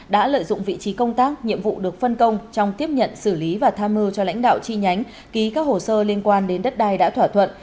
đã lợi dụng vị trí công tác nhiệm vụ được phân công trong tiếp nhận xử lý và tham mưu cho lãnh đạo chi nhánh ký các hồ sơ liên quan đến đất đai đã thỏa thuận